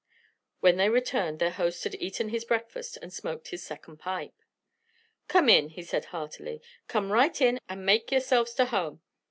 When they returned their host had eaten his breakfast and smoked his second pipe. "Come in," he said heartily. "Come right in and make yourselves ter home.